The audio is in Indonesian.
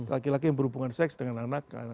laki laki yang berhubungan seks dengan anak